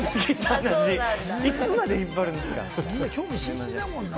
いつまで引っ張るんですか！